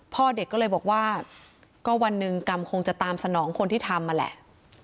พ่อเด็กก็เลยบอกว่าก็วันหนึ่งกรรมคงจะตามสนองคนที่ทำมาแหละ